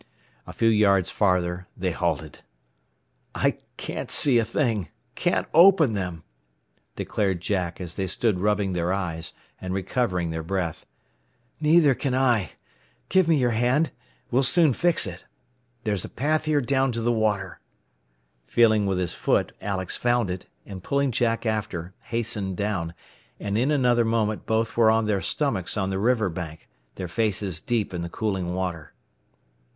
A few yards farther they halted. "I can't see a thing. Can't open them," declared Jack, as they stood rubbing their eyes, and recovering their breath. "Neither can I. Give me your hand, and we'll soon fix it. There is a path here down to the water." Feeling with his foot, Alex found it, and pulling Jack after, hastened down, and in another moment both were on their stomachs on the river bank, their faces deep in the cooling water.